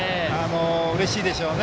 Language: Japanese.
うれしいでしょうね。